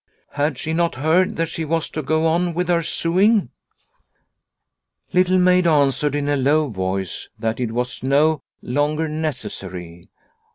Had she not heard that she was to go on with her sewing ? Little Maid answered in a low voice that it was no longer necessary.